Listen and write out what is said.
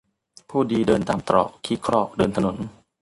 ผู้ดีเดินตามตรอก ขี้ครอกเดินถนน